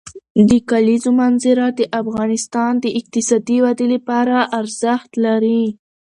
د کلیزو منظره د افغانستان د اقتصادي ودې لپاره ارزښت لري.